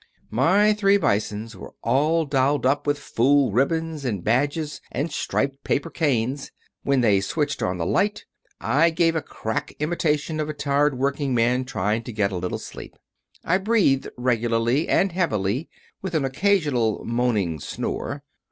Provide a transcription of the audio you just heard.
My three Bisons were all dolled up with fool ribbons and badges and striped paper canes. When they switched on the light I gave a crack imitation of a tired working man trying to get a little sleep. I breathed regularly and heavily, with an occasional moaning snore.